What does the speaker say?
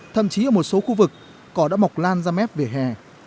thậm chí ở một số khu vực cỏ đã mọc lan ra mép vỉa hè